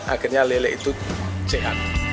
akhirnya lele itu jahat